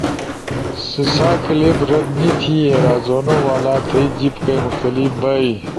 سسا کلپ رد نی تھی ایرازونو والا تھئی جیِب کئی مختلف بئی